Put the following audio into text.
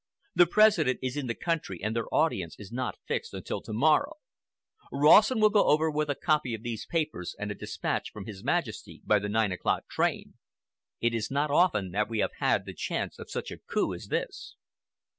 The President is in the country and their audience is not fixed until to morrow. Rawson will go over with a copy of these papers and a dispatch from His Majesty by the nine o'clock train. It is not often that we have had the chance of such a 'coup' as this."